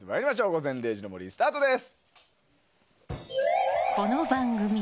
「午前０時の森」スタートです。